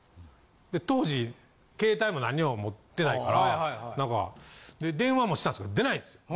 で当時携帯も何にも持ってないから何か電話もしたんすけど出ないんですよ。